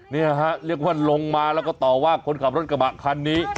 นี่ฮะเรียกว่าลงมาแล้วก็ต่อว่าคนขับรถกระบะคันนี้